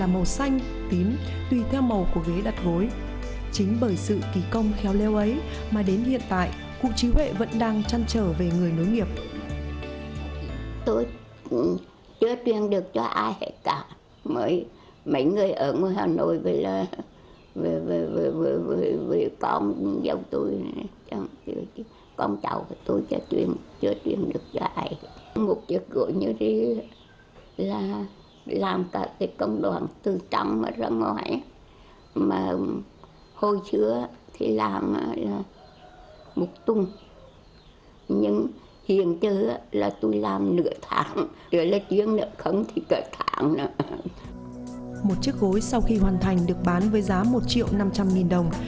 một chiếc gối sau khi hoàn thành được bán với giá một triệu năm trăm linh nghìn đồng